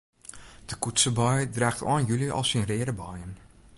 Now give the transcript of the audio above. De koetsebei draacht ein july al syn reade beien.